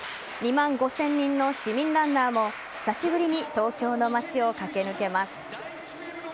２万５０００人の市民ランナーも久しぶりに東京の街を駆け抜けます。